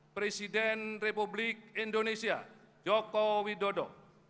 presiden republik indonesia joko widodo